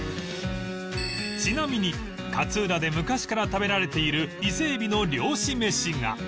ちなみに勝浦で昔から食べられている伊勢海老の漁師めしが